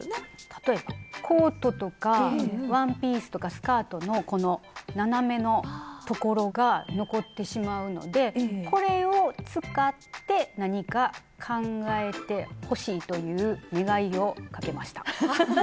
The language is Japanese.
例えばコートとかワンピースとかスカートのこの斜めの所が残ってしまうのでこれを使って何か考えてほしいという願いをかけました。